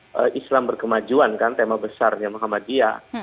karena islam berkemajuan kan tema besarnya muhammadiyah